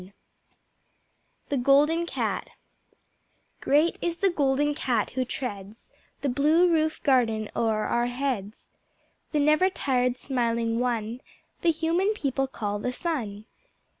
The Golden Cat Great is the Golden Cat who treads The Blue Roof Garden o'er our heads, The never tired smiling One That Human People call the Sun.